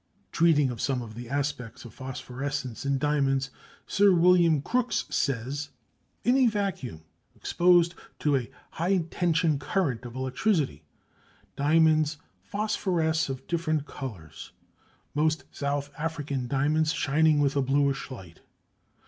Treating of some of the aspects of phosphorescence in diamonds, Sir William Crookes says: In a vacuum, exposed to a high tension current of electricity, diamonds phosphoresce of different colours, most South African diamonds shining with a bluish light.